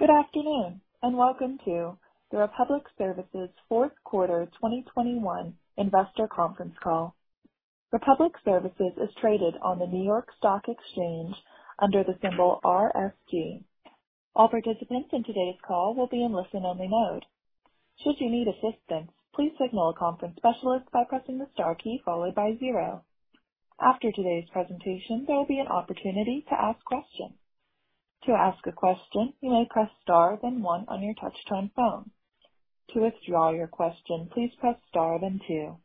Good afternoon, and welcome to the Republic Services fourth quarter 2021 investor conference call. Republic Services is traded on the New York Stock Exchange under the symbol RSG. All participants in today's call will be in listen-only mode. Should you need assistance, please signal a conference specialist by pressing the star key followed by zero. After today's presentation, there'll be an opportunity to ask questions. To ask a question, you may press star then one on your touch-tone phone. To withdraw your question, please press star then two.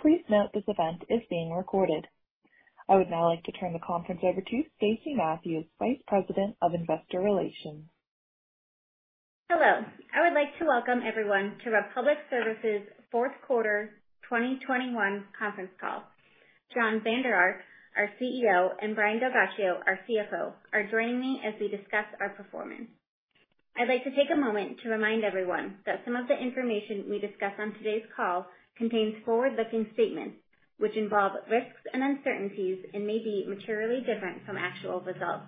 Please note this event is being recorded. I would now like to turn the conference over to Stacey Matthews, Vice President of Investor Relations. Hello. I would like to welcome everyone to Republic Services fourth quarter 2021 conference call. Jon Vander Ark, our CEO, and Brian DelGhiaccio, our CFO, are joining me as we discuss our performance. I'd like to take a moment to remind everyone that some of the information we discuss on today's call contains forward-looking statements, which involve risks and uncertainties and may be materially different from actual results.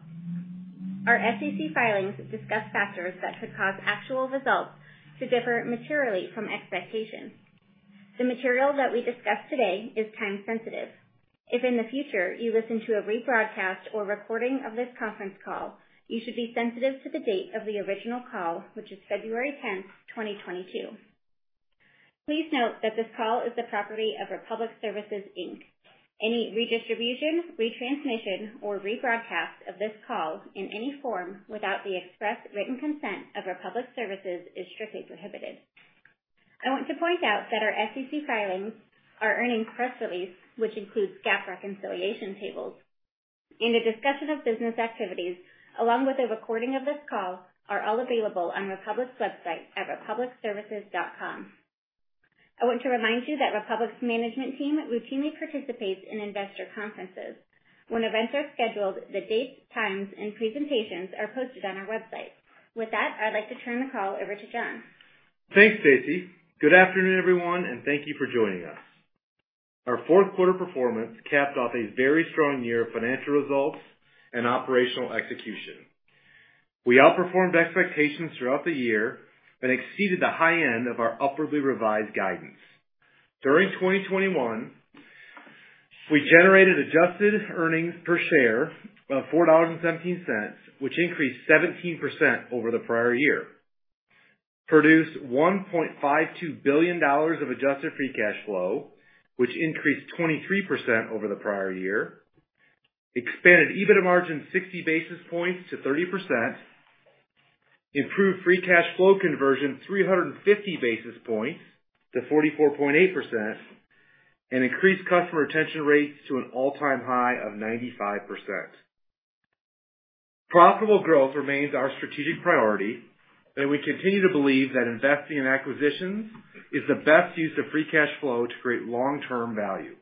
Our SEC filings discuss factors that could cause actual results to differ materially from expectations. The material that we discuss today is time sensitive. If in the future you listen to a rebroadcast or recording of this conference call, you should be sensitive to the date of the original call, which is February 10, 2022. Please note that this call is the property of Republic Services, Inc. Any redistribution, retransmission, or rebroadcast of this call in any form without the express written consent of Republic Services is strictly prohibited. I want to point out that our SEC filings, our earnings press release, which includes GAAP reconciliation tables, and the discussion of business activities, along with a recording of this call, are all available on Republic's website at republicservices.com. I want to remind you that Republic's management team routinely participates in investor conferences. When events are scheduled, the dates, times, and presentations are posted on our website. With that, I'd like to turn the call over to Jon Vander Ark. Thanks, Stacy. Good afternoon, everyone, and thank you for joining us. Our fourth quarter performance capped off a very strong year of financial results and operational execution. We outperformed expectations throughout the year and exceeded the high end of our upwardly revised guidance. During 2021, we generated adjusted earnings per share of $4.17, which increased 17% over the prior year. Produced $1.52 billion of adjusted free cash flow, which increased 23% over the prior year. Expanded EBITDA margin 60 basis points to 30%. Improved free cash flow conversion 350 basis points to 44.8% and increased customer retention rates to an all-time high of 95%. Profitable growth remains our strategic priority, and we continue to believe that investing in acquisitions is the best use of free cash flow to create long-term value.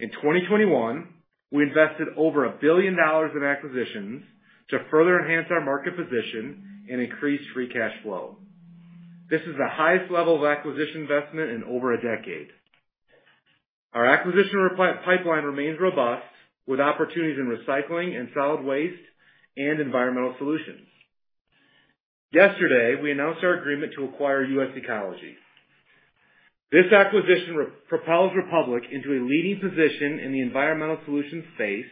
In 2021, we invested over $1 billion in acquisitions to further enhance our market position and increase free cash flow. This is the highest level of acquisition investment in over a decade. Our acquisition pipeline remains robust, with opportunities in recycling and solid waste and environmental solutions. Yesterday, we announced our agreement to acquire US Ecology. This acquisition propels Republic into a leading position in the environmental solutions space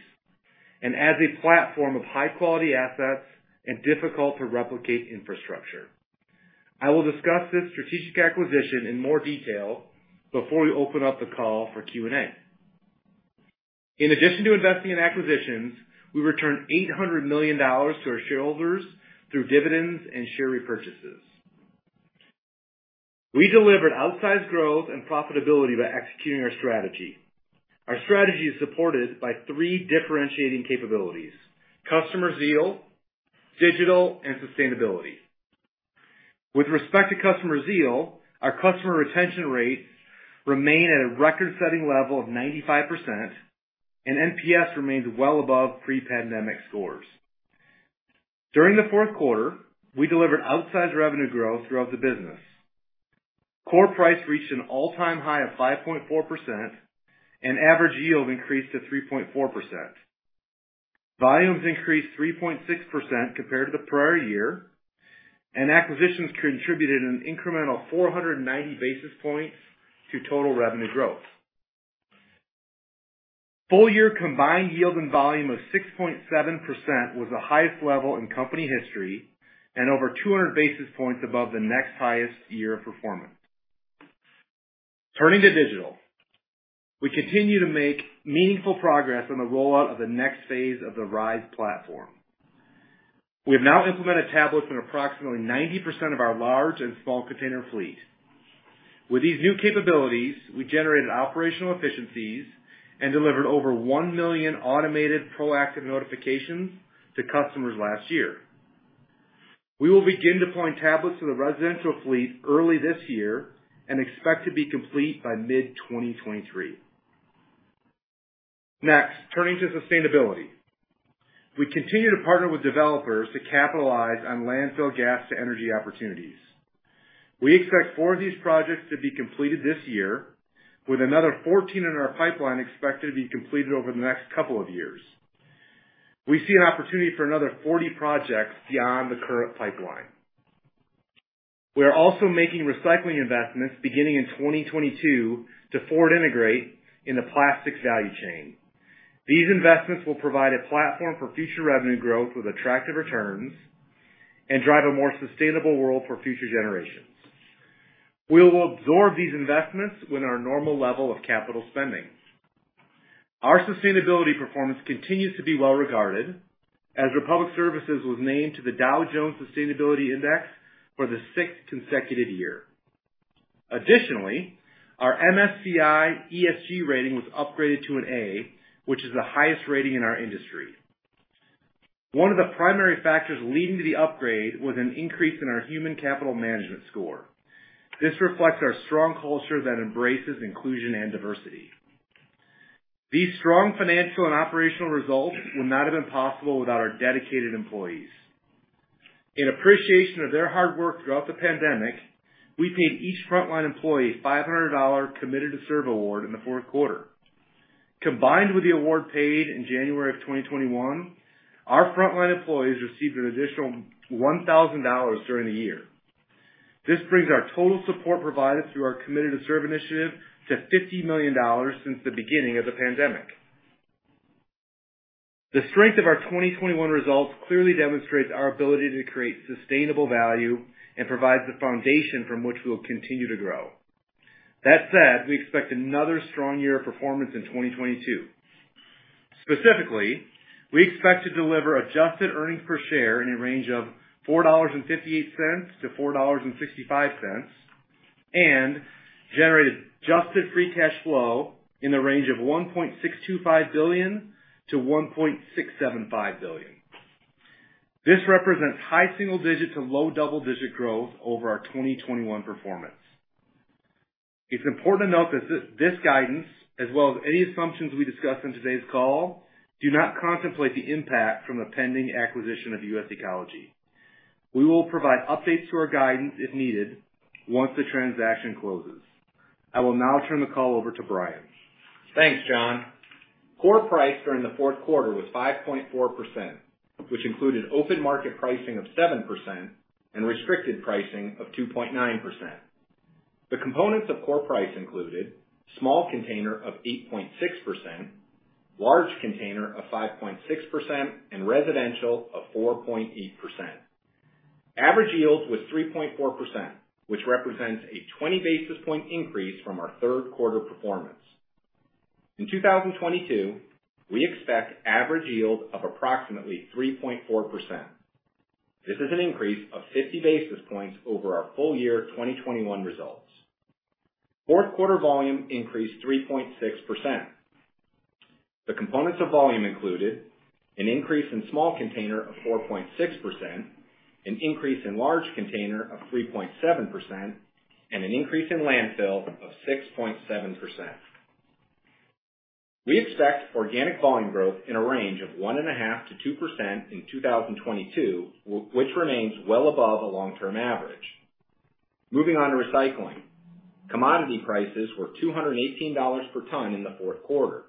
and adds a platform of high-quality assets and difficult-to-replicate infrastructure. I will discuss this strategic acquisition in more detail before we open up the call for Q&A. In addition to investing in acquisitions, we returned $800 million to our shareholders through dividends and share repurchases. We delivered outsized growth and profitability by executing our strategy. Our strategy is supported by three differentiating capabilities: customer zeal, digital, and sustainability. With respect to customer zeal, our customer retention rates remain at a record-setting level of 95%, and NPS remains well above pre-pandemic scores. During the fourth quarter, we delivered outsized revenue growth throughout the business. Core price reached an all-time high of 5.4%, and average yield increased to 3.4%. Volumes increased 3.6% compared to the prior year, and acquisitions contributed an incremental 490 basis points to total revenue growth. Full-year combined yield and volume of 6.7% was the highest level in company history and over 200 basis points above the next highest year of performance. Turning to digital, we continue to make meaningful progress on the rollout of the next phase of the RISE platform. We have now implemented tablets in approximately 90% of our large and small container fleet. With these new capabilities, we generated operational efficiencies and delivered over 1 million automated proactive notifications to customers last year. We will begin deploying tablets to the residential fleet early this year and expect to be complete by mid-2023. Next, turning to sustainability. We continue to partner with developers to capitalize on landfill gas to energy opportunities. We expect four of these projects to be completed this year, with another 14 in our pipeline expected to be completed over the next couple of years. We see an opportunity for another 40 projects beyond the current pipeline. We are also making recycling investments beginning in 2022 to forward integrate in the plastics value chain. These investments will provide a platform for future revenue growth with attractive returns and drive a more sustainable world for future generations. We will absorb these investments within our normal level of capital spending. Our sustainability performance continues to be well regarded, as Republic Services was named to the Dow Jones Sustainability Index for the sixth consecutive year. Additionally, our MSCI ESG rating was upgraded to an A, which is the highest rating in our industry. One of the primary factors leading to the upgrade was an increase in our human capital management score. This reflects our strong culture that embraces inclusion and diversity. These strong financial and operational results would not have been possible without our dedicated employees. In appreciation of their hard work throughout the pandemic, we paid each frontline employee $500 Committed to Serve award in the fourth quarter. Combined with the award paid in January 2021, our frontline employees received an additional $1,000 during the year. This brings our total support provided through our Committed to Serve initiative to $50 million since the beginning of the pandemic. The strength of our 2021 results clearly demonstrates our ability to create sustainable value and provides the foundation from which we will continue to grow. That said, we expect another strong year of performance in 2022. Specifically, we expect to deliver adjusted earnings per share in a range of $4.58-$4.65, and generate adjusted free cash flow in the range of $1.625 billion-$1.675 billion. This represents high single-digit to low double-digit growth over our 2021 performance. It's important to note that this guidance, as well as any assumptions we discuss on today's call, do not contemplate the impact from the pending acquisition of US Ecology. We will provide updates to our guidance if needed once the transaction closes. I will now turn the call over to Brian. Thanks, Jon. Core price during the fourth quarter was 5.4%, which included open market pricing of 7% and restricted pricing of 2.9%. The components of core price included small container of 8.6%, large container of 5.6%, and residential of 4.8%. Average yield was 3.4%, which represents a 20 basis points increase from our third quarter performance. In 2022, we expect average yield of approximately 3.4%. This is an increase of 50 basis points over our full year 2021 results. Fourth quarter volume increased 3.6%. The components of volume included an increase in small container of 4.6%, an increase in large container of 3.7%, and an increase in landfill of 6.7%. We expect organic volume growth in a range of 1.5%-2% in 2022, which remains well above a long-term average. Moving on to recycling. Commodity prices were $218 per ton in the fourth quarter.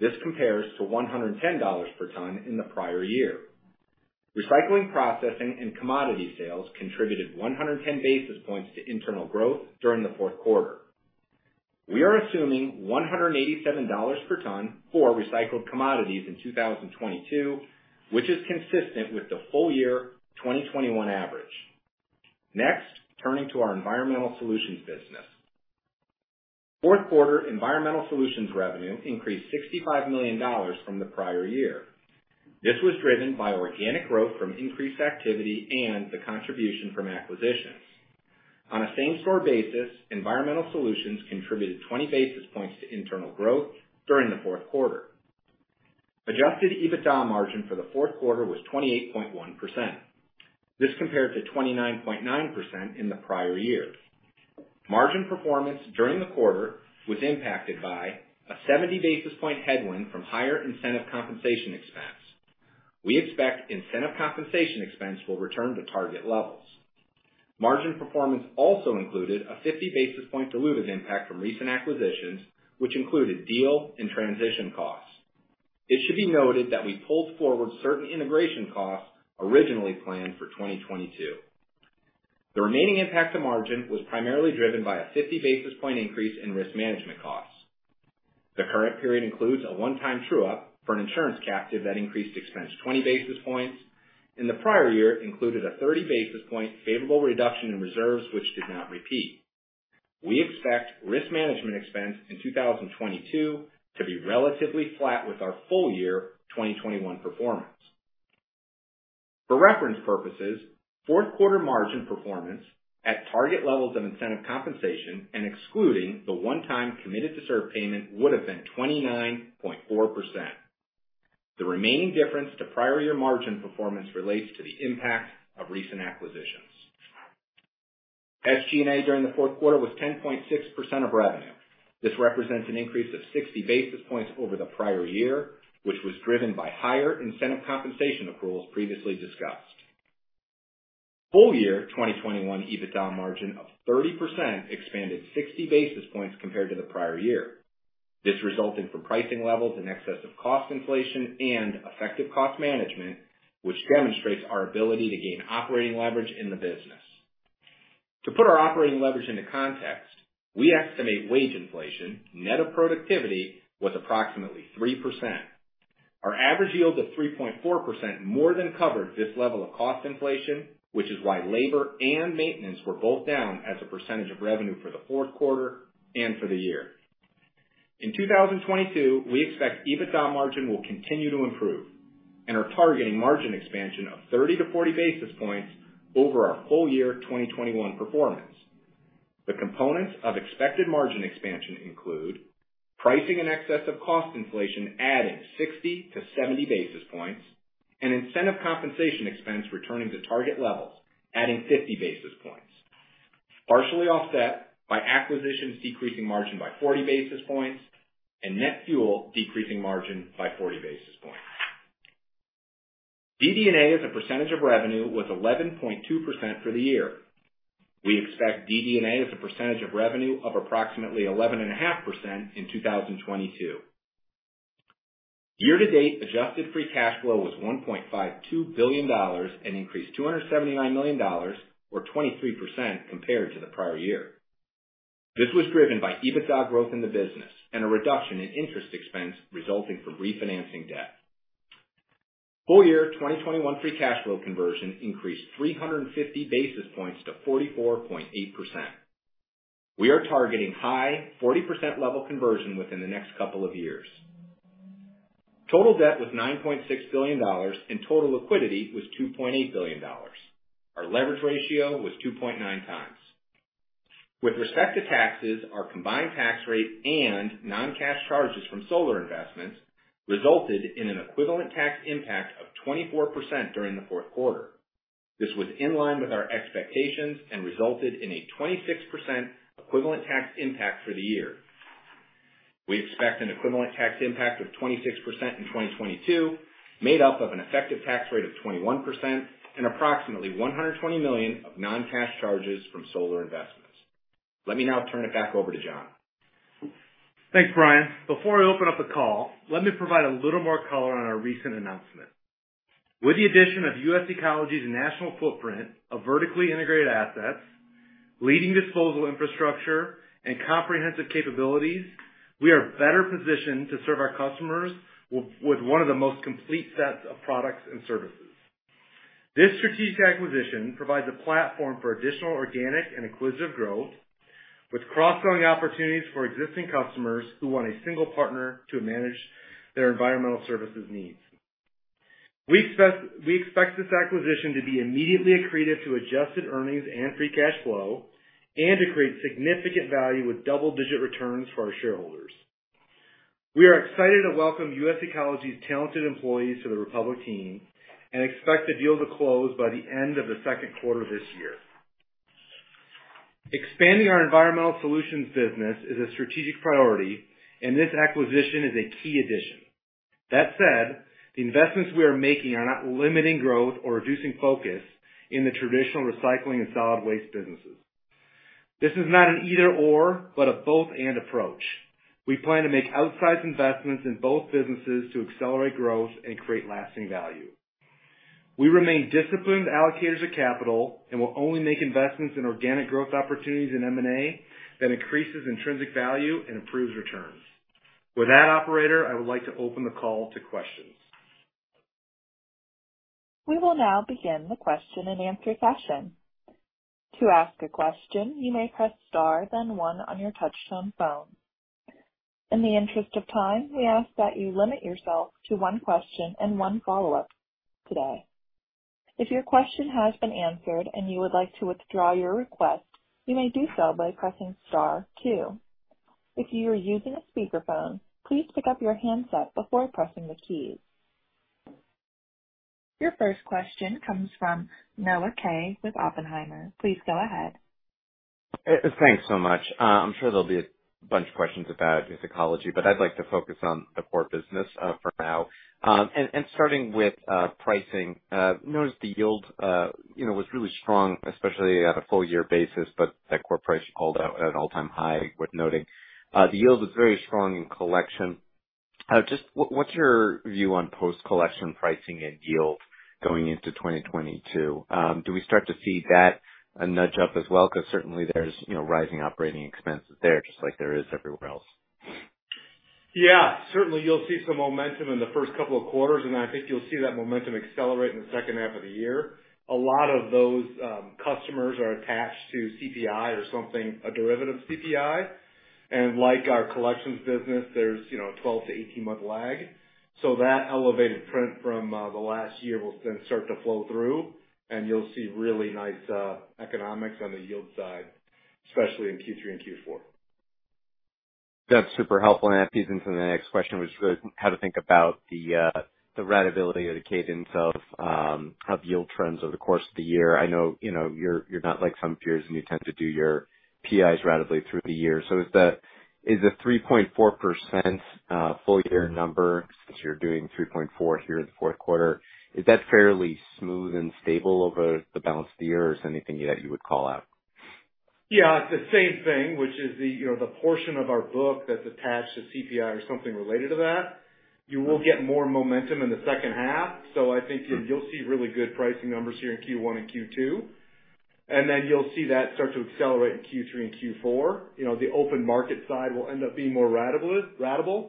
This compares to $110 per ton in the prior year. Recycling, processing, and commodity sales contributed 110 basis points to internal growth during the fourth quarter. We are assuming $187 per ton for recycled commodities in 2022, which is consistent with the full year 2021 average. Next, turning to our Environmental Solutions business. Fourth quarter Environmental Solutions revenue increased $65 million from the prior year. This was driven by organic growth from increased activity and the contribution from acquisitions. On a same-store basis, environmental solutions contributed 20 basis points to internal growth during the fourth quarter. Adjusted EBITDA margin for the fourth quarter was 28.1%. This compared to 29.9% in the prior year. Margin performance during the quarter was impacted by a 70 basis point headwind from higher incentive compensation expense. We expect incentive compensation expense will return to target levels. Margin performance also included a 50 basis point dilutive impact from recent acquisitions, which included deal and transition costs. It should be noted that we pulled forward certain integration costs originally planned for 2022. The remaining impact to margin was primarily driven by a 50 basis point increase in risk management costs. The current period includes a one time true-up for an insurance captive that increased expense 20 basis points, and the prior year included a 30 basis points favorable reduction in reserves which did not repeat. We expect risk management expense in 2022 to be relatively flat with our full year 2021 performance. For reference purposes, fourth quarter margin performance at target levels of incentive compensation and excluding the one-time Committed to Serve payment would have been 29.4%. The remaining difference to prior year margin performance relates to the impact of recent acquisitions. SG&A during the fourth quarter was 10.6% of revenue. This represents an increase of 60 basis points over the prior year, which was driven by higher incentive compensation accruals previously discussed. Full year 2021 EBITDA margin of 30% expanded 60 basis points compared to the prior year. This resulted from pricing levels in excess of cost inflation and effective cost management, which demonstrates our ability to gain operating leverage in the business. To put our operating leverage into context, we estimate wage inflation, net of productivity, was approximately 3%. Our average yield of 3.4% more than covered this level of cost inflation, which is why labor and maintenance were both down as a percentage of revenue for the fourth quarter and for the year. In 2022, we expect EBITDA margin will continue to improve and are targeting margin expansion of 30-40 basis points over our full year 2021 performance. The components of expected margin expansion include pricing in excess of cost inflation, adding 60-70 basis points, and incentive compensation expense returning to target levels, adding 50 basis points, partially offset by acquisitions decreasing margin by 40 basis points and net fuel decreasing margin by 40 basis points. DD&A as a percentage of revenue was 11.2% for the year. We expect DD&A as a percentage of revenue of approximately 11.5% in 2022. Year to date, adjusted free cash flow was $1.52 billion, an increase $279 million or 23% compared to the prior year. This was driven by EBITDA growth in the business and a reduction in interest expense resulting from refinancing debt. Full year 2021 free cash flow conversion increased 350 basis points to 44.8%. We are targeting high 40% level conversion within the next couple of years. Total debt was $9.6 billion and total liquidity was $2.8 billion. Our leverage ratio was 2.9 times. With respect to taxes, our combined tax rate and non-cash charges from solar investments resulted in an equivalent tax impact of 24% during the fourth quarter. This was in line with our expectations and resulted in a 26% equivalent tax impact for the year. We expect an equivalent tax impact of 26% in 2022, made up of an effective tax rate of 21% and approximately $120 million of non-cash charges from solar investments. Let me now turn it back over to Jon. Thanks, Brian. Before I open up the call, let me provide a little more color on our recent announcement. With the addition of US Ecology's national footprint of vertically integrated assets, leading disposal infrastructure, and comprehensive capabilities, we are better positioned to serve our customers with one of the most complete sets of products and services. This strategic acquisition provides a platform for additional organic and acquisitive growth with cross-selling opportunities for existing customers who want a single partner to manage their environmental services needs. We expect this acquisition to be immediately accretive to adjusted earnings and free cash flow and to create significant value with double-digit returns for our shareholders. We are excited to welcome US Ecology's talented employees to the Republic team and expect the deal to close by the end of the second quarter this year. Expanding our environmental solutions business is a strategic priority, and this acquisition is a key addition. That said, the investments we are making are not limiting growth or reducing focus in the traditional recycling and solid waste businesses. This is not an either/or, but a both/and approach. We plan to make outsized investments in both businesses to accelerate growth and create lasting value. We remain disciplined allocators of capital and will only make investments in organic growth opportunities in M&A that increases intrinsic value and improves returns. With that, operator, I would like to open the call to questions. We will now begin the question-and-answer session. To ask a question, you may press star then one on your touchtone phone. In the interest of time, we ask that you limit yourself to one question and one follow-up today. If your question has been answered and you would like to withdraw your request, you may do so by pressing star two. If you are using a speakerphone, please pick up your handset before pressing the keys. Your first question comes from Noah Kaye with Oppenheimer. Please go ahead. Thanks so much. I'm sure there'll be a bunch of questions about US Ecology, but I'd like to focus on the core business for now. Starting with pricing, noticed the yield, you know, was really strong, especially at a full year basis, but that core price called out at an all-time high worth noting. The yield was very strong in collection. What's your view on post-collection pricing and yield going into 2022? Do we start to see that nudge up as well? Because certainly there's rising operating expenses there just like there is everywhere else. Yeah, certainly you'll see some momentum in the first couple of quarters, and I think you'll see that momentum accelerate in the second half of the year. A lot of those customers are attached to CPI or something, a derivative CPI. Like our collections business, there's, you know, a 12-18-month lag. So that elevated print from the last year will then start to flow through, and you'll see really nice economics on the yield side, especially in Q3 and Q4. That's super helpful. That feeds into the next question, which is really how to think about the ratability or the cadence of yield trends over the course of the year. I know, you know, you're not like some peers, and you tend to do your PIs ratably through the year. Is the 3.4% full year number, since you're doing 3.4% here in the fourth quarter, fairly smooth and stable over the balance of the year or is there anything that you would call out? Yeah, it's the same thing, which is, you know, the portion of our book that's attached to CPI or something related to that. You will get more momentum in the second half. I think you'll see really good pricing numbers here in Q1 and Q2, and then you'll see that start to accelerate in Q3 and Q4. You know, the open market side will end up being more ratable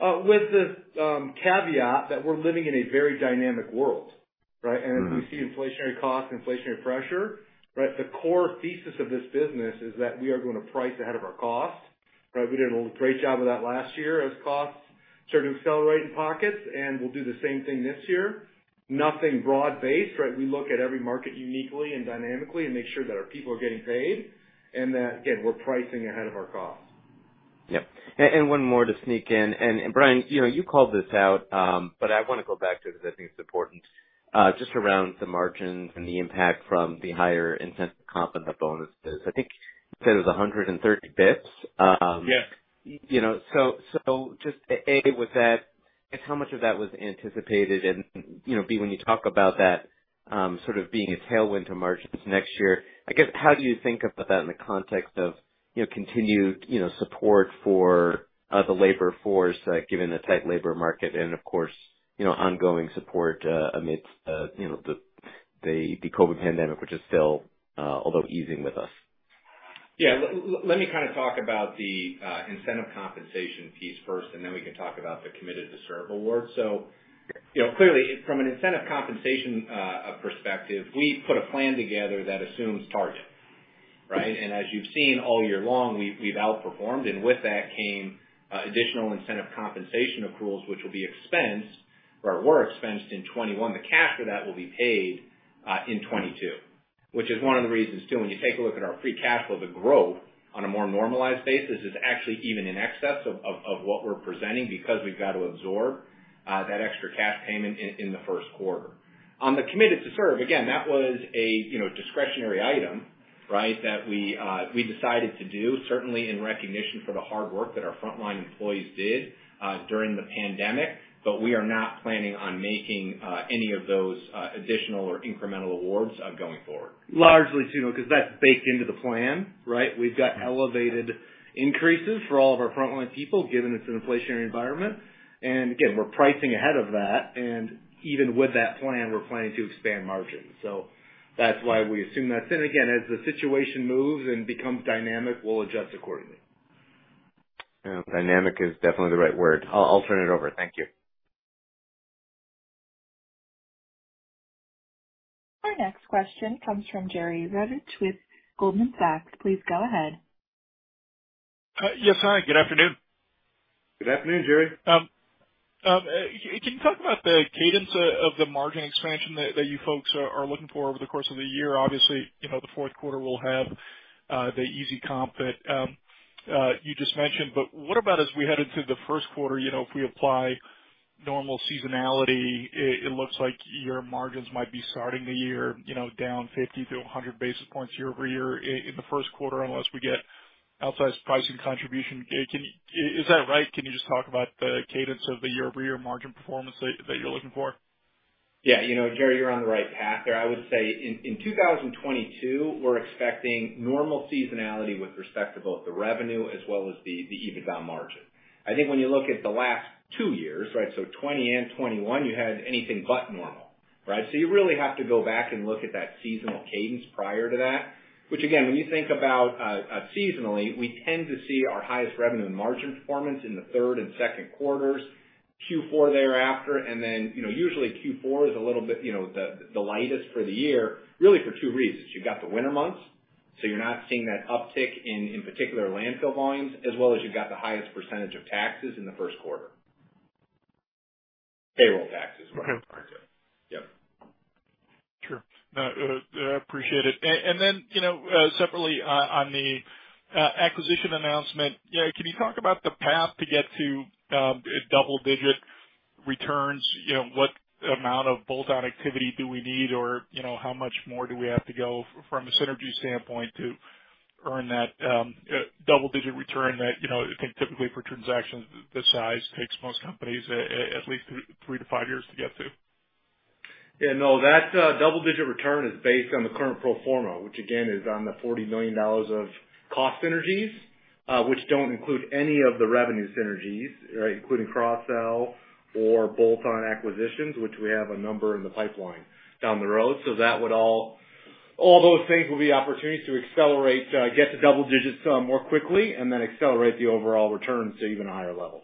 with the caveat that we're living in a very dynamic world, right? Mm-hmm. If we see inflationary costs, inflationary pressure, right, the core thesis of this business is that we are gonna price ahead of our cost, right? We did a great job of that last year as costs started to accelerate in pockets, and we'll do the same thing this year. Nothing broad based, right? We look at every market uniquely and dynamically and make sure that our people are getting paid and that, again, we're pricing ahead of our costs. Yep. One more to sneak in. Brian, you know, you called this out, but I wanna go back to it because I think it's important, just around the margins and the impact from the higher incentive comp and the bonuses. I think you said it was 130 basis points. Yeah. You know, so just A, was that I guess how much of that was anticipated? You know, B, when you talk about that, sort of being a tailwind to margins next year, I guess how do you think about that in the context of, you know, continued, you know, support for the labor force, given the tight labor market and of course, you know, ongoing support amidst, you know, the COVID pandemic, which is still, although easing with us? Yeah. Let me kind of talk about the incentive compensation piece first, and then we can talk about the Committed to Serve award. You know, clearly from an incentive compensation perspective, we put a plan together that assumes target, right? As you've seen all year long, we've outperformed, and with that came additional incentive compensation accruals, which will be expensed or were expensed in 2021. The cash for that will be paid in 2022, which is one of the reasons, too. When you take a look at our free cash flow, the growth on a more normalized basis is actually even in excess of what we're presenting because we've got to absorb that extra cash payment in the first quarter. On the Committed to Serve, again, that was a you know, discretionary item, right? That we decided to do certainly in recognition for the hard work that our frontline employees did during the pandemic. We are not planning on making any of those additional or incremental awards going forward. Largely, too, Noah, 'cause that's baked into the plan, right? We've got elevated increases for all of our frontline people, given it's an inflationary environment. Again, we're pricing ahead of that. Even with that plan, we're planning to expand margins. That's why we assume that's in. Again, as the situation moves and becomes dynamic, we'll adjust accordingly. Yeah. Dynamic is definitely the right word. I'll turn it over. Thank you. Our next question comes from Jerry Revich with Goldman Sachs. Please go ahead. Yes, hi. Good afternoon. Good afternoon, Jerry. Can you talk about the cadence of the margin expansion that you folks are looking for over the course of the year? Obviously, you know, the fourth quarter will have the easy comp that you just mentioned, but what about as we head into the first quarter, you know, if we apply normal seasonality, it looks like your margins might be starting the year, you know, down 50-100 basis points year-over-year in the first quarter unless we get outsized pricing contribution. Is that right? Can you just talk about the cadence of the year-over-year margin performance that you're looking for? Yeah. You know, Jerry, you're on the right path there. I would say in 2022, we're expecting normal seasonality with respect to both the revenue as well as the EBITDA margin. I think when you look at the last two years, right? So 2020 and 2021 you had anything but normal, right? You really have to go back and look at that seasonal cadence prior to that. Which again, when you think about seasonally, we tend to see our highest revenue and margin performance in the third and second quarters, Q4 thereafter. You know, usually Q4 is a little bit, you know, the lightest for the year, really for two reasons. You've got the winter months, so you're not seeing that uptick in particular landfill volumes, as well as you've got the highest percentage of taxes in the first quarter. Payroll taxes, I'm sorry. Yep. Sure. No, appreciate it. Then, you know, separately on the acquisition announcement, you know, can you talk about the path to get to double digit returns? You know, what amount of bolt-on activity do we need or, you know, how much more do we have to go from a synergy standpoint to earn that double digit return that, you know, I think typically for transactions this size takes most companies at least three to five years to get to? Yeah, no, that double-digit return is based on the current pro forma, which again is on the $40 million of cost synergies, which don't include any of the revenue synergies, right? Including cross-sell or bolt-on acquisitions, which we have a number in the pipeline down the road. All those things will be opportunities to accelerate, get to double digits more quickly and then accelerate the overall returns to even a higher level.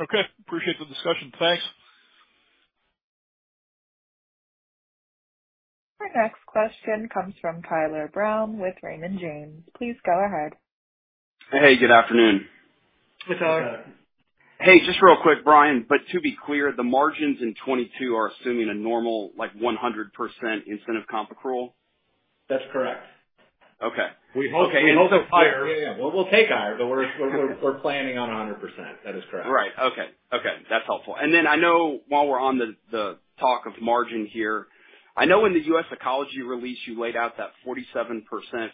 Okay. Appreciate the discussion. Thanks. Our next question comes from Tyler Brown with Raymond James. Please go ahead. Hey, good afternoon. Hey, just real quick, Brian, but to be clear, the margins in 2022 are assuming a normal like 100% incentive comp accrual? That's correct. Okay. We hope they're higher. Yeah, yeah. We'll take higher, but we're planning on 100%. That is correct. Right. Okay. Okay, that's helpful. I know while we're on the talk of margin here, I know in the US Ecology release, you laid out that 47%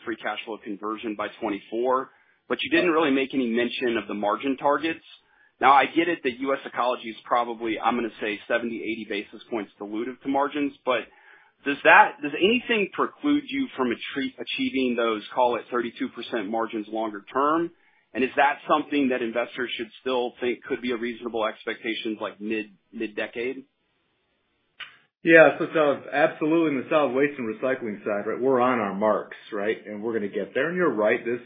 free cash flow conversion by 2024, but you didn't really make any mention of the margin targets. Now I get it that US Ecology is probably, I'm gonna say 70, 80 basis points dilutive to margins. Does anything preclude you from achieving those, call it 32% margins longer term? Is that something that investors should still think could be a reasonable expectation like mid-decade? Yeah. So absolutely in the solid waste and recycling side, right, we're on our marks, right? We're gonna get there. You're right, this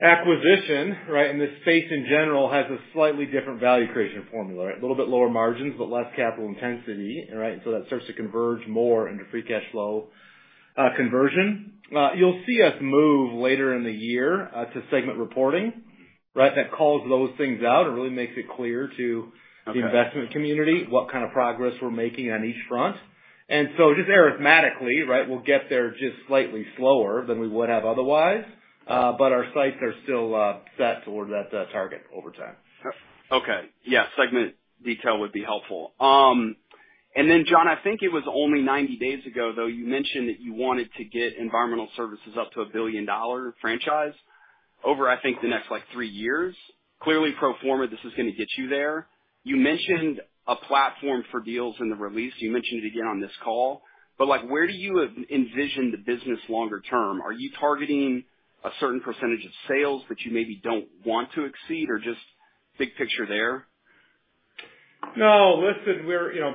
acquisition, right, and this space in general has a slightly different value creation formula. A little bit lower margins, but less capital intensity, right? That starts to converge more into free cash flow conversion. You'll see us move later in the year to segment reporting, right? That calls those things out. It really makes it clear to-. Okay. to the investment community what kind of progress we're making on each front. Just arithmetically, right, we'll get there just slightly slower than we would have otherwise. But our sights are still set towards that target over time. Okay. Yeah. Segment detail would be helpful. Jon, I think it was only 90-days ago, though you mentioned that you wanted to get environmental services up to a billion-dollar franchise over, I think, the next like three years. Clearly, pro forma, this is gonna get you there. You mentioned a platform for deals in the release. You mentioned it again on this call. But like, where do you envision the business longer term? Are you targeting a certain percentage of sales that you maybe don't want to exceed or just big picture there? No, listen, we're you know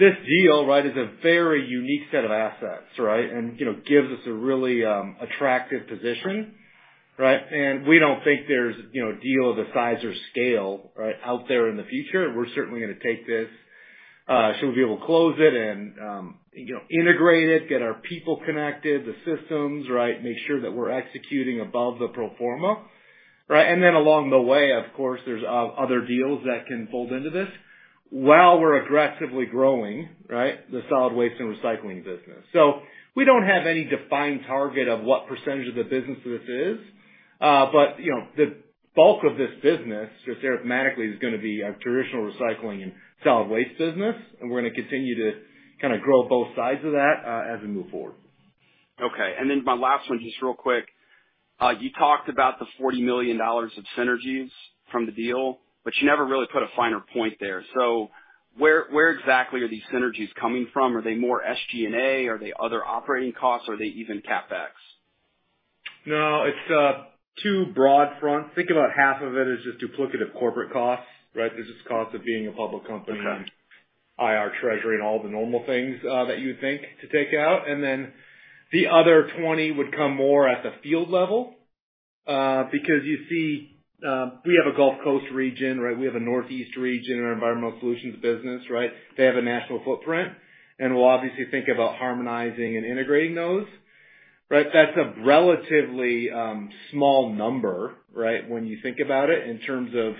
this deal, right, is a very unique set of assets, right? You know, gives us a really attractive position, right? We don't think there's you know a deal of the size or scale, right, out there in the future. We're certainly gonna take this so we'll be able to close it and you know integrate it, get our people connected, the systems, right, make sure that we're executing above the pro forma, right? Then along the way, of course, there's other deals that can fold into this while we're aggressively growing, right, the solid waste and recycling business. We don't have any defined target of what percentage of the business this is. You know, the bulk of this business, just arithmetically, is gonna be a traditional recycling and solid waste business, and we're gonna continue to kinda grow both sides of that, as we move forward. Okay. My last one, just real quick. You talked about the $40 million of synergies from the deal, but you never really put a finer point there. Where exactly are these synergies coming from? Are they more SG&A? Are they other operating costs, or are they even CapEx? No, it's two broad fronts. Think about half of it is just duplicative corporate costs, right? They're just costs of being a public company. Okay. IR treasury and all the normal things that you would think to take out. The other 20 would come more at the field level, because you see, we have a Gulf Coast region, right? We have a Northeast region in our Environmental Solutions business, right? They have a national footprint, and we'll obviously think about harmonizing and integrating those, right? That's a relatively small number, right, when you think about it in terms of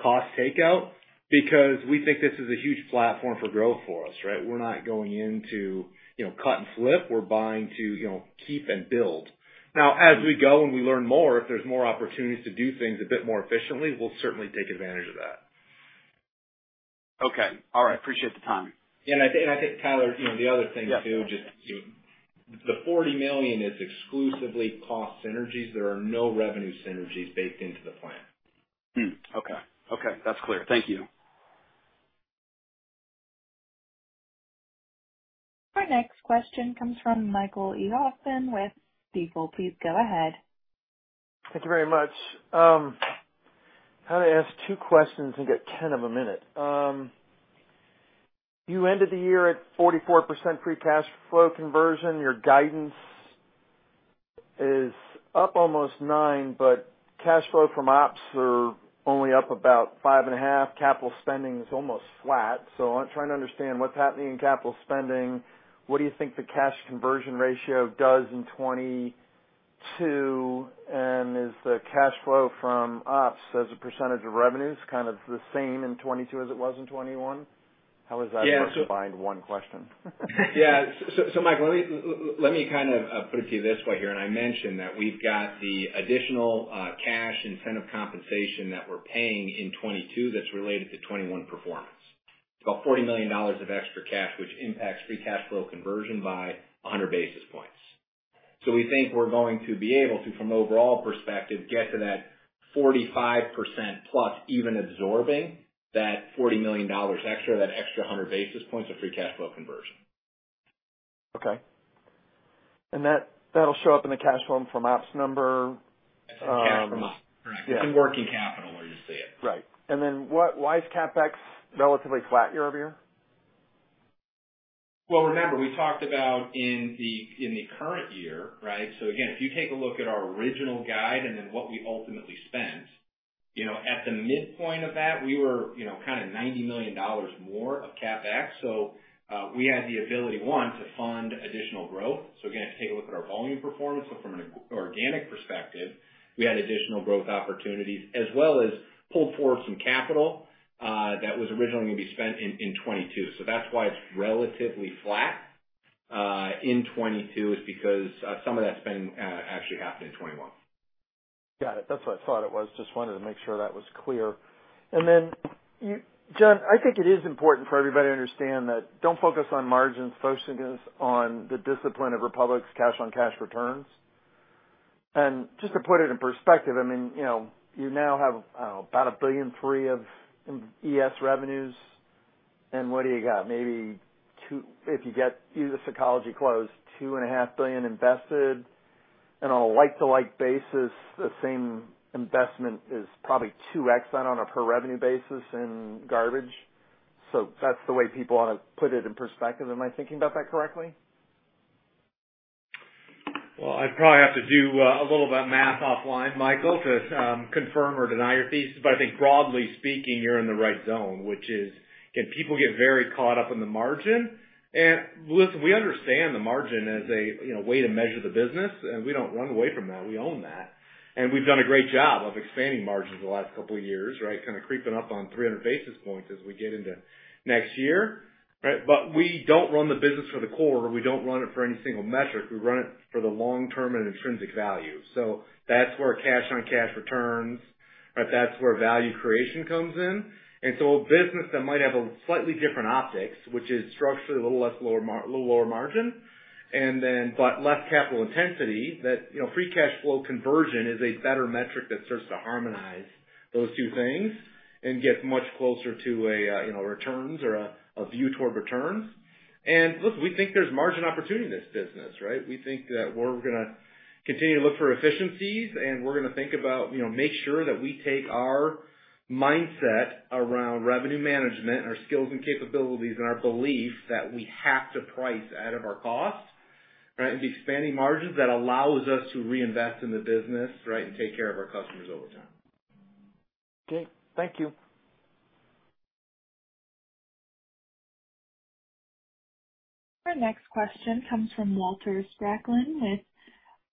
cost takeout, because we think this is a huge platform for growth for us, right? We're not going into, you know, cut and flip. We're buying to, you know, keep and build. Now, as we go and we learn more, if there's more opportunities to do things a bit more efficiently, we'll certainly take advantage of that. Okay. All right. Appreciate the timing. I think, Tyler, you know, the other thing too, just the $40 million is exclusively cost synergies. There are no revenue synergies baked into the plan. Okay. Okay, that's clear. Thank you. Our next question comes from Michael E. Hoffman with Stifel. Please go ahead. Thank you very much. I'm gonna ask two questions and get them in a minute. You ended the year at 44% free cash flow conversion. Your guidance is up almost 9%, but cash flow from ops is only up about 5.5%. Capital spending is almost flat. I'm trying to understand what's happening in capital spending. What do you think the cash conversion ratio does in 2022? Is the cash flow from ops as a percentage of revenues kind of the same in 2022 as it was in 2021? How is that combined in one question? Yeah. Michael, let me kind of put it to you this way here, and I mentioned that we've got the additional cash incentive compensation that we're paying in 2022 that's related to 2021 performance. It's about $40 million of extra cash, which impacts free cash flow conversion by 100 basis points. We think we're going to be able to, from an overall perspective, get to that 45%+ even absorbing that $40 million extra, that extra 100 basis points of free cash flow conversion. Okay. That'll show up in the cash flow from ops number. That's in cash from ops. Correct. Yeah. It's in working capital where you see it. Right. Why is CapEx relatively flat year-over-year? Well, remember, we talked about in the current year, right? Again, if you take a look at our original guide and then what we ultimately spent. You know, at the midpoint of that, we were, you know, kind of $90 million more of CapEx. We had the ability, one, to fund additional growth. Again, take a look at our volume performance. From an organic perspective, we had additional growth opportunities as well as pull forward some capital that was originally going to be spent in 2022. That's why it's relatively flat in 2022 because some of that spending actually happened in 2021. Got it. That's what I thought it was. Just wanted to make sure that was clear. You, Jon Vander Ark, I think it is important for everybody to understand that don't focus on margins, focus on the discipline of Republic's cash-on-cash returns. Just to put it in perspective, I mean, you know, you now have, I don't know, about $1.3 billion of ES revenues. What do you got? Maybe two. If you get US Ecology close, $2.5 billion invested. On a like-for-like basis, the same investment is probably 2x on a per revenue basis in garbage. That's the way people ought to put it in perspective. Am I thinking about that correctly? Well, I'd probably have to do a little bit of math offline, Michael, to confirm or deny your thesis. I think broadly speaking, you're in the right zone, which is can people get very caught up in the margin? Listen, we understand the margin as a, you know, way to measure the business, and we don't run away from that. We own that. We've done a great job of expanding margins the last couple of years, right? Kind of creeping up on 300 basis points as we get into next year, right? We don't run the business for the quarter. We don't run it for any single metric. We run it for the long-term and intrinsic value. That's where cash-on-cash returns, right? That's where value creation comes in. A business that might have a slightly different optics, which is structurally a little lower margin, and then, but less capital intensity, that, you know, free cash flow conversion is a better metric that starts to harmonize those two things and get much closer to a, you know, returns or a view toward returns. Look, we think there's margin opportunity in this business, right? We think that we're gonna continue to look for efficiencies, and we're gonna think about, you know, make sure that we take our mindset around revenue management and our skills and capabilities and our belief that we have to price out of our cost, right? With expanding margins, that allows us to reinvest in the business, right, and take care of our customers over time. Okay. Thank you. Our next question comes from Walter Spracklin with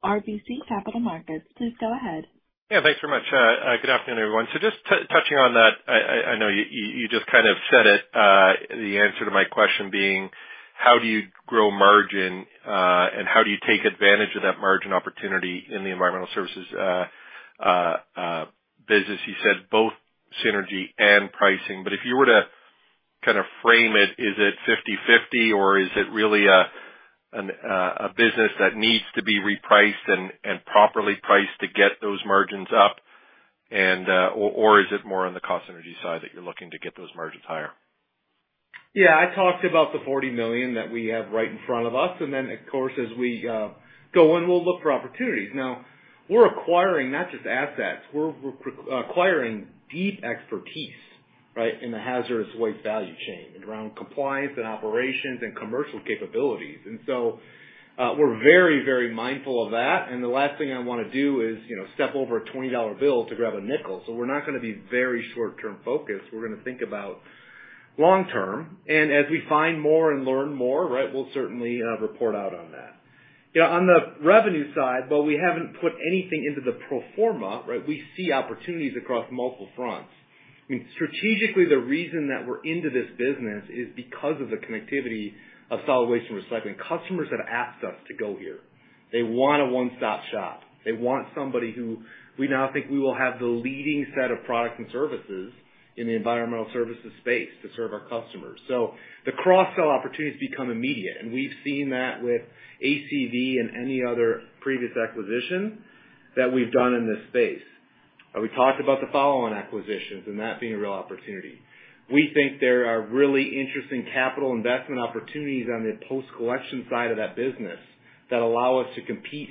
RBC Capital Markets. Please go ahead. Yeah, thanks very much. Good afternoon, everyone. Just touching on that, I know you just kind of said it, the answer to my question being, how do you grow margin and how do you take advantage of that margin opportunity in the environmental services business? You said both synergy and pricing. If you were to kind of frame it, is it 50/50 or is it really a business that needs to be repriced and properly priced to get those margins up? Or is it more on the cost synergy side that you're looking to get those margins higher? Yeah, I talked about the $40 million that we have right in front of us, and then of course, as we go on, we'll look for opportunities. Now, we're acquiring not just assets, we're re-acquiring deep expertise, right, in the hazardous waste value chain around compliance and operations and commercial capabilities. We're very, very mindful of that. The last thing I wanna do is, you know, step over a $20 bill to grab a nickel. We're not gonna be very short-term focused. We're gonna think about long-term. As we find more and learn more, right, we'll certainly report out on that. You know, on the revenue side, but we haven't put anything into the pro forma, right? We see opportunities across multiple fronts. I mean, strategically, the reason that we're into this business is because of the connectivity of solid waste and recycling. Customers have asked us to go here. They want a one-stop shop. They want somebody who we now think we will have the leading set of products and services in the environmental services space to serve our customers. The cross-sell opportunities become immediate. We've seen that with ACV and any other previous acquisition that we've done in this space. We talked about the follow-on acquisitions and that being a real opportunity. We think there are really interesting capital investment opportunities on the post-collection side of that business that allow us to compete,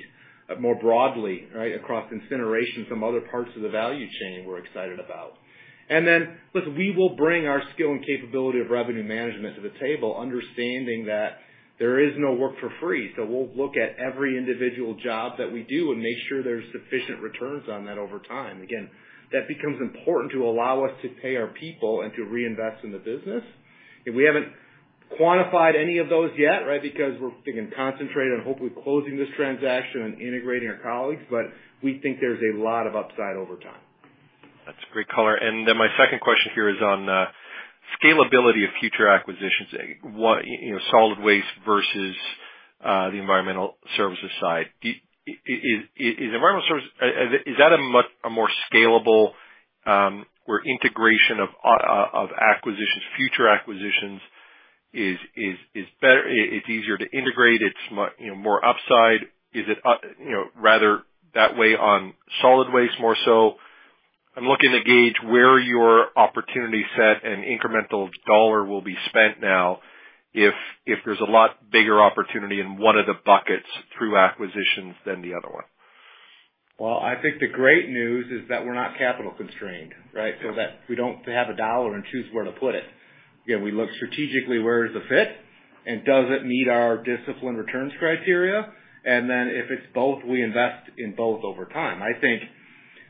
more broadly, right, across incineration from other parts of the value chain we're excited about. Look, we will bring our skill and capability of revenue management to the table, understanding that there is no work for free. We'll look at every individual job that we do and make sure there's sufficient returns on that over time. Again, that becomes important to allow us to pay our people and to reinvest in the business. We haven't quantified any of those yet, right, because we're, again, concentrated on hopefully closing this transaction and integrating our colleagues, but we think there's a lot of upside over time. That's a great color. My second question here is on scalability of future acquisitions. What, you know, solid waste versus the environmental services side. Is environmental services is that a more scalable where integration of acquisitions, future acquisitions is better, it's easier to integrate, it's you know, more upside. Is it, you know, rather that way on solid waste, more so? I'm looking to gauge where your opportunity set and incremental dollar will be spent now if there's a lot bigger opportunity in one of the buckets through acquisitions than the other one. Well, I think the great news is that we're not capital constrained, right? So that we don't have a dollar and choose where to put it. Yeah, we look strategically where is the fit and does it meet our disciplined returns criteria. Then if it's both, we invest in both over time. I think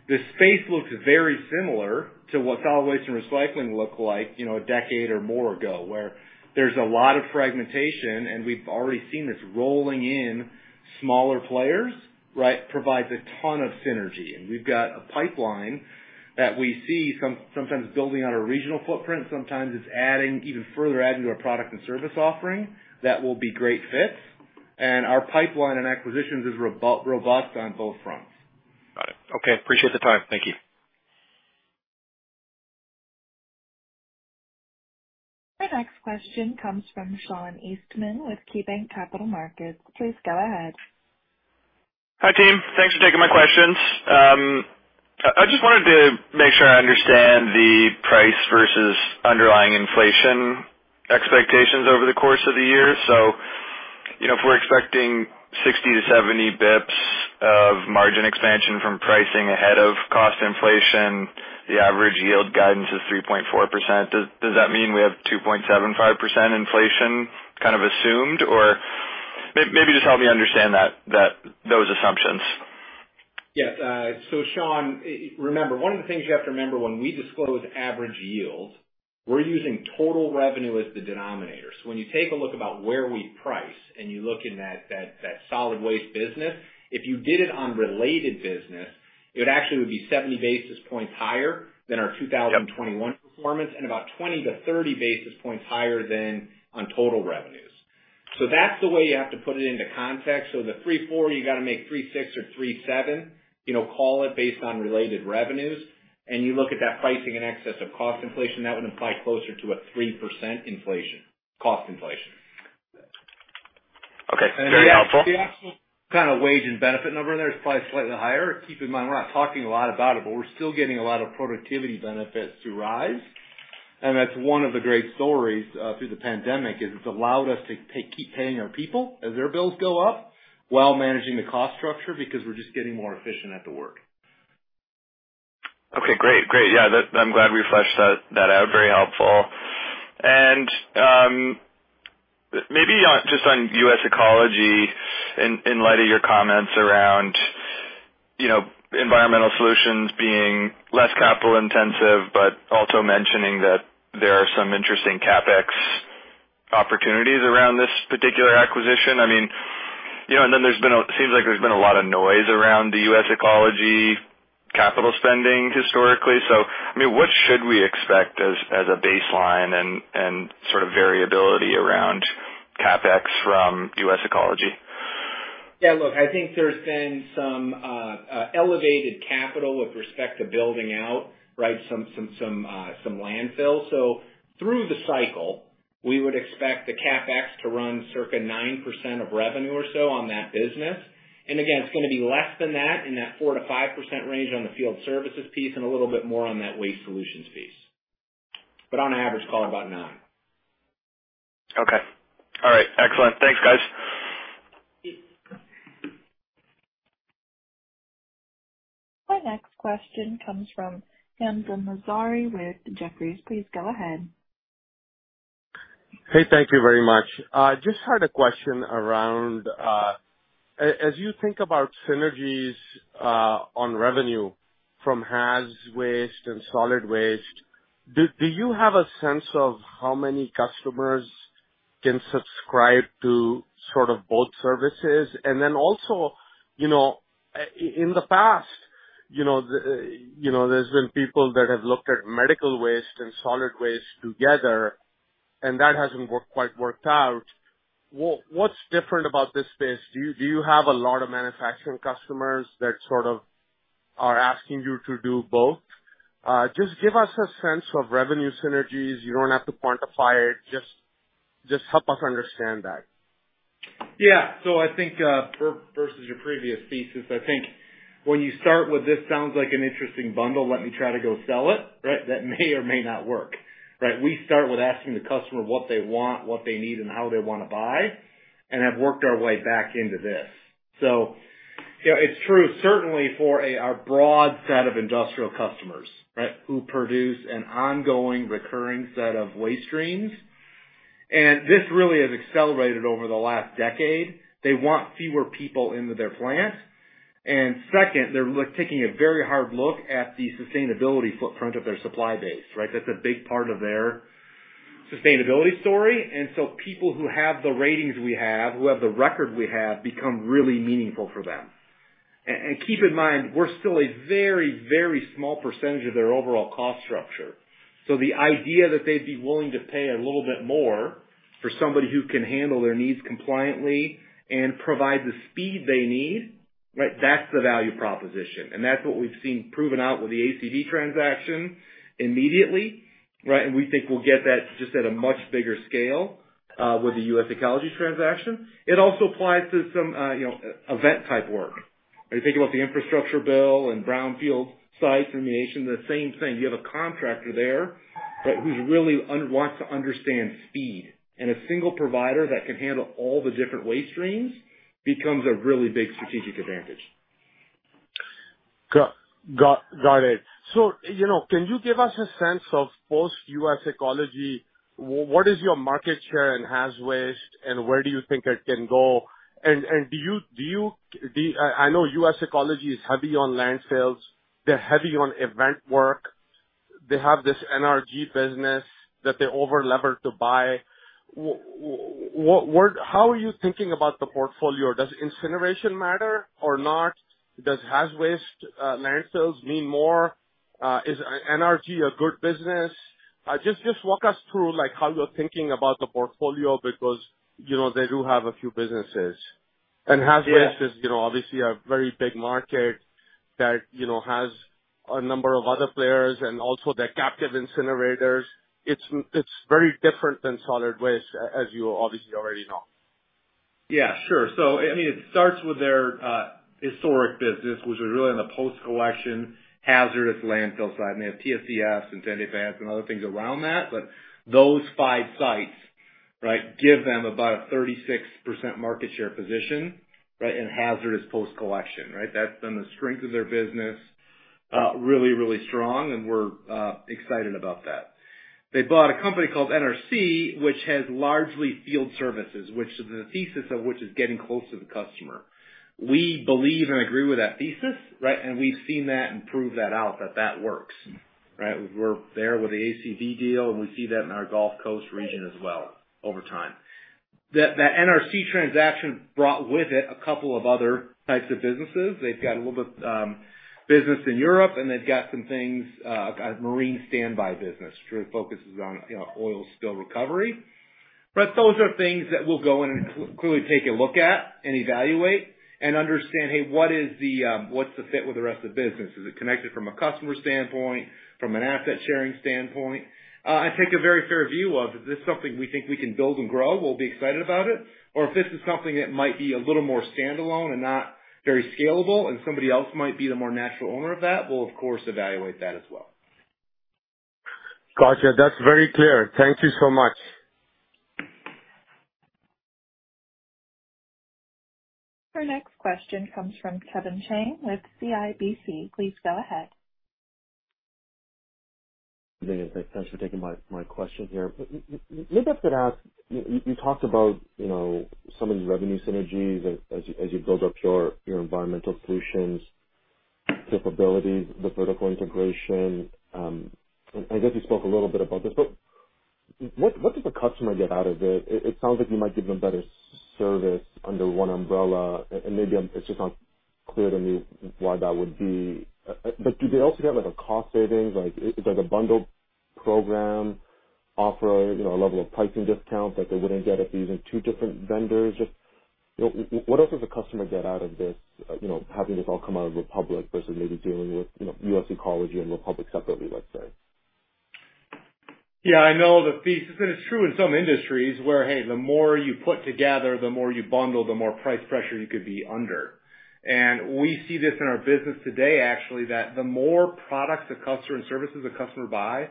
the space looks very similar to what solid waste and recycling looked like, you know, a decade or more ago, where there's a lot of fragmentation, and we've already seen this rolling in smaller players, right. Provides a ton of synergy. We've got a pipeline that we see sometimes building on a regional footprint. Sometimes it's adding even further to our product and service offering that will be great fits. Our pipeline and acquisitions is robust on both fronts. Got it. Okay. Appreciate the time. Thank you. The next question comes from Sean Eastman with KeyBanc Capital Markets. Please go ahead. Hi, team. Thanks for taking my questions. I just wanted to make sure I understand the price versus underlying inflation expectations over the course of the year. You know, if we're expecting 60-70 basis points of margin expansion from pricing ahead of cost inflation, the average yield guidance is 3.4%. Does that mean we have 2.75% inflation kind of assumed? Or maybe just help me understand that those assumptions. Yes. Sean, remember, one of the things you have to remember when we disclose average yield, we're using total revenue as the denominator. When you take a look about where we price and you look in that solid waste business, if you did it on related business, it actually would be 70 basis points higher than our 2021 performance, and about 20-30 basis points higher than on total revenues. That's the way you have to put it into context. The 3.4%, you got to make 3.6% or 3.7%, you know, call it, based on related revenues. You look at that pricing in excess of cost inflation, that would imply closer to a 3% inflation, cost inflation. Okay. Very helpful. The actual kind of wage and benefit number there is probably slightly higher. Keep in mind, we're not talking a lot about it, but we're still getting a lot of productivity benefits through RISE, and that's one of the great stories through the pandemic, is it's allowed us to keep paying our people as their bills go up while managing the cost structure, because we're just getting more efficient at the work. Okay, great. Yeah, I'm glad we fleshed that out. Very helpful. Maybe on, just on US Ecology in light of your comments around, you know, environmental solutions being less capital-intensive, but also mentioning that there are some interesting CapEx opportunities around this particular acquisition. I mean, you know, and then seems like there's been a lot of noise around the US Ecology capital spending historically. I mean, what should we expect as a baseline and sort of variability around CapEx from US Ecology? Yeah, look, I think there's been some elevated capital with respect to building out, right, some landfills. Through the cycle, we would expect the CapEx to run circa 9% of revenue or so on that business. Again, it's gonna be less than that in that 4%-5% range on the field services piece and a little bit more on that waste solutions piece. On average, call it about 9%. Okay. All right. Excellent. Thanks, guys. Our next question comes from Hamzah Mazari with Jefferies. Please go ahead. Hey, thank you very much. Just had a question around as you think about synergies on revenue from haz waste and solid waste, do you have a sense of how many customers can subscribe to sort of both services? And then also, you know, in the past, you know, there's been people that have looked at medical waste and solid waste together, and that hasn't quite worked out. What's different about this space? Do you have a lot of manufacturing customers that sort of are asking you to do both? Just give us a sense of revenue synergies. You don't have to quantify it, just help us understand that. I think versus your previous thesis, I think when you start with this sounds like an interesting bundle, let me try to go sell it, right? That may or may not work, right? We start with asking the customer what they want, what they need, and how they wanna buy, and have worked our way back into this. Yeah, it's true certainly for our broad set of industrial customers, right? Who produce an ongoing recurring set of waste streams. This really has accelerated over the last decade. They want fewer people into their plant. Second, they're taking a very hard look at the sustainability footprint of their supply base, right? That's a big part of their sustainability story. People who have the ratings we have, who have the record we have, become really meaningful for them. Keep in mind, we're still a very, very small percentage of their overall cost structure. The idea that they'd be willing to pay a little bit more for somebody who can handle their needs compliantly and provide the speed they need, right, that's the value proposition. That's what we've seen proven out with the ACV Enviro transaction immediately, right? We think we'll get that just at a much bigger scale with the US Ecology transaction. It also applies to some event type work. If you think about the infrastructure bill and brownfield site remediation, the same thing. You have a contractor there, right, who really wants to understand speed. A single provider that can handle all the different waste streams becomes a really big strategic advantage. Got it. So, you know, can you give us a sense of post US Ecology, what is your market share in haz waste, and where do you think it can go? I know US Ecology is heavy on landfills, they're heavy on event work, they have this NRC business that they over-levered to buy. What, where. How are you thinking about the portfolio? Does incineration matter or not? Does haz waste landfills mean more? Is NRC a good business? Just walk us through, like, how you're thinking about the portfolio because, you know, they do have a few businesses. Yeah. Hazardous waste is, you know, obviously a very big market that, you know, has a number of other players and also they're captive incinerators. It's very different than solid waste, as you obviously already know. Yeah, sure. I mean, it starts with their historic business, which is really in the post-collection hazardous landfill side, and they have TSDFs and tank farms and other things around that. But those five sites, right, give them about a 36% market share position, right, in hazardous post-collection, right? That's been the strength of their business, really, really strong and we're excited about that. They bought a company called NRC, which has largely field services, which the thesis of which is getting close to the customer. We believe and agree with that thesis, right, and we've seen that and proved that out that that works, right? We're there with the ACV deal, and we see that in our Gulf Coast region as well over time. That NRC transaction brought with it a couple of other types of businesses. They've got a little bit business in Europe, and they've got some things, a marine standby business which focuses on, you know, oil spill recovery. Those are things that we'll go in and clearly take a look at and evaluate and understand, hey, what's the fit with the rest of the business? Is it connected from a customer standpoint, from an asset sharing standpoint? And take a very fair view of, is this something we think we can build and grow, we'll be excited about it, or if this is something that might be a little more standalone and not very scalable and somebody else might be the more natural owner of that, we'll of course evaluate that as well. Gotcha. That's very clear. Thank you so much. Our next question comes from Kevin Chiang with CIBC. Please go ahead. Thanks for taking my question here. Maybe I could ask, you talked about, you know, some of the revenue synergies as you build up your environmental solutions capabilities, the vertical integration. I guess you spoke a little bit about this, but what does the customer get out of it? It sounds like you might give them better service under one umbrella. And maybe it's just not clear to me why that would be. But do they also get, like, a cost savings? Like, is there a bundled program offer, you know, a level of pricing discount that they wouldn't get if they're using two different vendors? Just, you know, what else does the customer get out of this, you know, having this all come out of Republic versus maybe dealing with, you know, US Ecology and Republic separately, let's say? Yeah, I know the thesis, and it's true in some industries where, hey, the more you put together, the more you bundle, the more price pressure you could be under. We see this in our business today, actually, that the more products the customer and services the customer buy,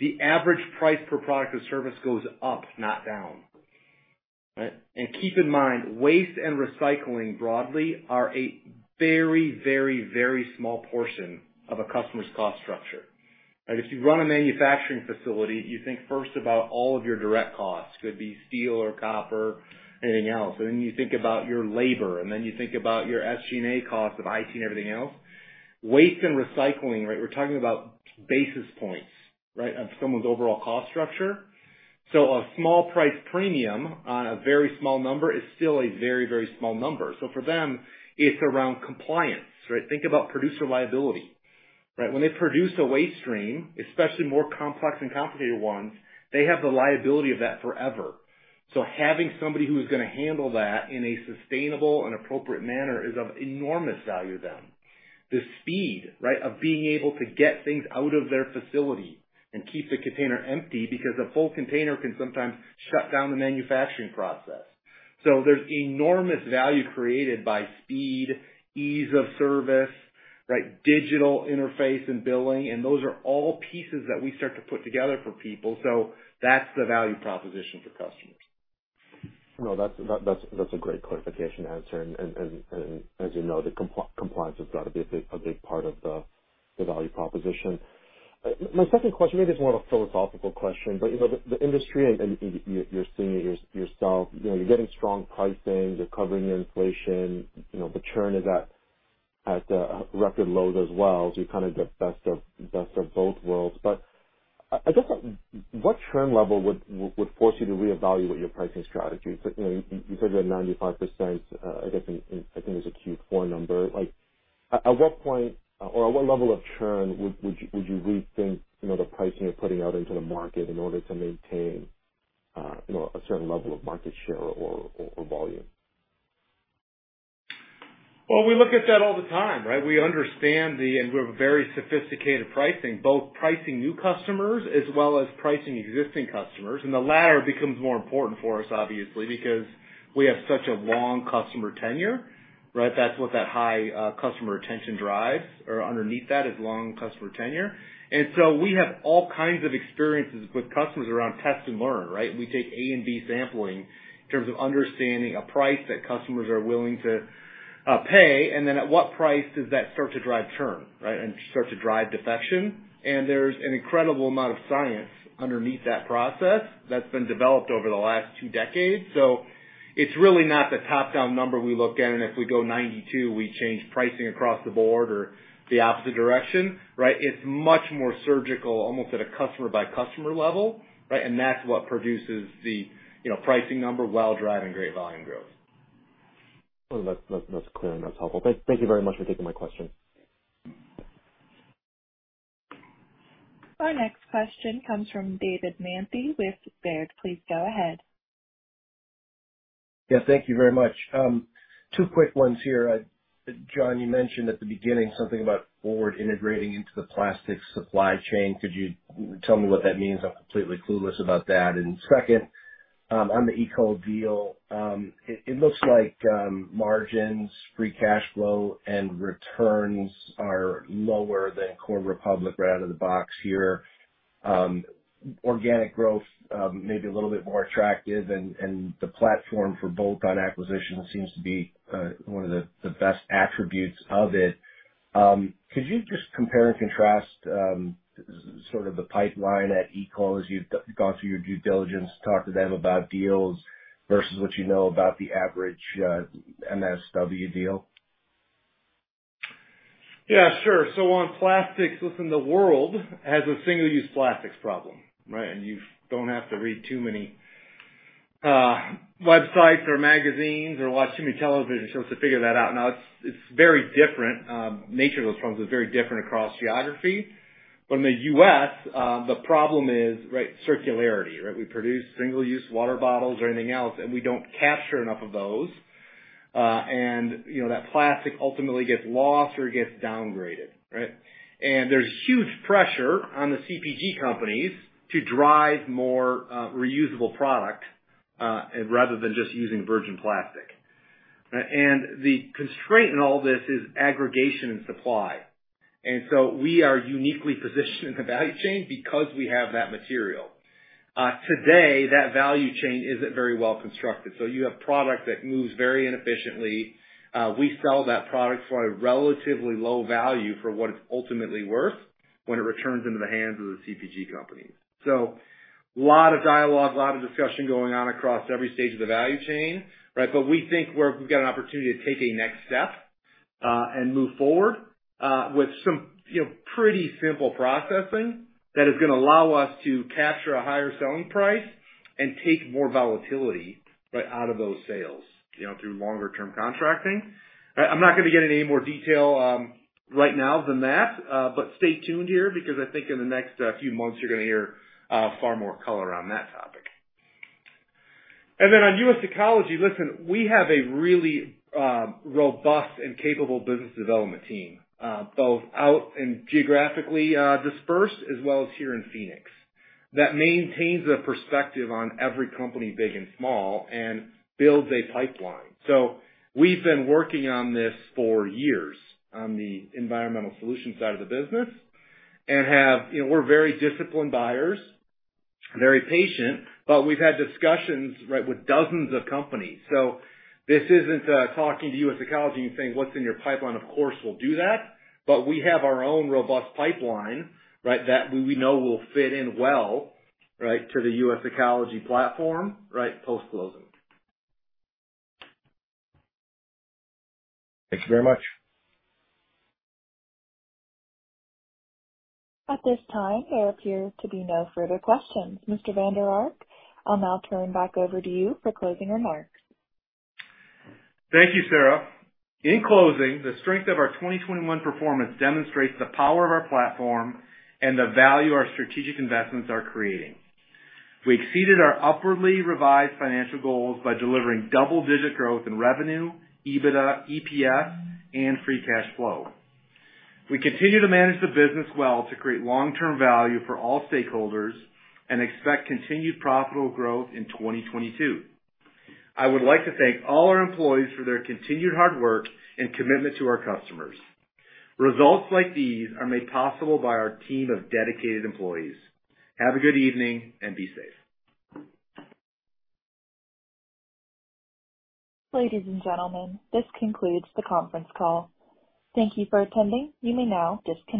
the average price per product or service goes up, not down. Right? Keep in mind, waste and recycling broadly are a very small portion of a customer's cost structure. Like, if you run a manufacturing facility, you think first about all of your direct costs. Could be steel or copper, anything else. Then you think about your labor, and then you think about your SG&A costs of IT and everything else. Waste and recycling, right, we're talking about basis points, right, of someone's overall cost structure. A small price premium on a very small number is still a very, very small number. For them, it's around compliance, right? Think about producer liability, right? When they produce a waste stream, especially more complex and complicated ones, they have the liability of that forever. Having somebody who's gonna handle that in a sustainable and appropriate manner is of enormous value to them. The speed, right, of being able to get things out of their facility and keep the container empty, because a full container can sometimes shut down the manufacturing process. There's enormous value created by speed, ease of service, right? Digital interface and billing, and those are all pieces that we start to put together for people. That's the value proposition for customers. No, that's a great clarification answer. As you know, the compliance has got to be a big part of the value proposition. My second question maybe is more of a philosophical question, but you know, the industry and you're seeing it yourself, you know, you're getting strong pricing, you're covering the inflation, you know, the churn is at record lows as well, so you kind of get best of both worlds. I guess, what churn level would force you to reevaluate your pricing strategy? You know, you said you had 95%, I guess, I think it was a Q4 number. Like, at what point or at what level of churn would you rethink, you know, the pricing you're putting out into the market in order to maintain, you know, a certain level of market share or volume? Well, we look at that all the time, right? We understand. We have a very sophisticated pricing, both pricing new customers as well as pricing existing customers. The latter becomes more important for us obviously, because we have such a long customer tenure, right? That's what that high customer retention drives, or underneath that is long customer tenure. We have all kinds of experiences with customers around test and learn, right? We take A and B sampling in terms of understanding a price that customers are willing to pay, and then at what price does that start to drive churn, right? Start to drive defection. There's an incredible amount of science underneath that process that's been developed over the last two decades. It's really not the top-down number we look at, and if we go 92, we change pricing across the board or the opposite direction, right? It's much more surgical, almost at a customer by customer level, right? And that's what produces the, you know, pricing number while driving great volume growth. Well, that's clear. That's helpful. Thank you very much for taking my question. Our next question comes from David Manthey with Robert W. Baird & Co. Please go ahead. Thank you very much. Two quick ones here. Jon, you mentioned at the beginning something about forward integrating into the plastics supply chain. Could you tell me what that means? I'm completely clueless about that. Second, on the US Ecology deal, it looks like margins, free cash flow, and returns are lower than core Republic right out of the box here. Organic growth maybe a little bit more attractive and the platform for bolt-on acquisitions seems to be one of the best attributes of it. Could you just compare and contrast sort of the pipeline at US Ecology as you've gone through your due diligence, talked to them about deals versus what you know about the average MSW deal? Yeah, sure. On plastics, listen, the world has a single-use plastics problem, right? You don't have to read too many websites or magazines or watch too many television shows to figure that out. Now, it's very different nature of those problems is very different across geographies. In the U.S., the problem is, right, circularity, right? We produce single-use water bottles or anything else, and we don't capture enough of those, and you know, that plastic ultimately gets lost or gets downgraded, right? There's huge pressure on the CPG companies to drive more reusable product rather than just using virgin plastic. The constraint in all this is aggregation and supply. We are uniquely positioned in the value chain because we have that material. Today, that value chain isn't very well constructed, so you have product that moves very inefficiently. We sell that product for a relatively low value for what it's ultimately worth when it returns into the hands of the CPG companies. A lot of dialogue, a lot of discussion going on across every stage of the value chain, right? We think we've got an opportunity to take a next step and move forward with some, you know, pretty simple processing that is gonna allow us to capture a higher selling price and take more volatility, right, out of those sales, you know, through longer term contracting. I'm not gonna get into any more detail right now than that, but stay tuned here because I think in the next few months you're gonna hear far more color on that topic. On US Ecology, listen, we have a really robust and capable business development team, both out and geographically dispersed as well as here in Phoenix, that maintains a perspective on every company, big and small, and builds a pipeline. We've been working on this for years on the environmental solutions side of the business and have. You know, we're very disciplined buyers, very patient, but we've had discussions, right, with dozens of companies. This isn't talking to US Ecology and saying, "What's in your pipeline?" Of course, we'll do that. But we have our own robust pipeline, right? That we know will fit in well, right, to the US Ecology platform, right, post-closing. Thank you very much. At this time, there appears to be no further questions. Mr. Vander Ark, I'll now turn back over to you for closing remarks. Thank you, Sarah. In closing, the strength of our 2021 performance demonstrates the power of our platform and the value our strategic investments are creating. We exceeded our upwardly revised financial goals by delivering double-digit growth in revenue, EBITDA, EPS, and free cash flow. We continue to manage the business well to create long-term value for all stakeholders and expect continued profitable growth in 2022. I would like to thank all our employees for their continued hard work and commitment to our customers. Results like these are made possible by our team of dedicated employees. Have a good evening and be safe. Ladies and gentlemen, this concludes the conference call. Thank you for attending. You may now disconnect.